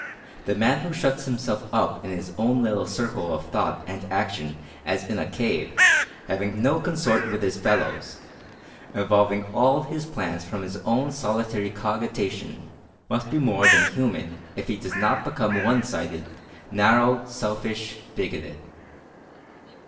The man who shuts himself up in his own little circle of thought and action as in a cave, having no consort with his fellows, evolving all his plans from his own solitary cogitation, must be more than human if he does not become one sided, narrow, selfish, bigoted.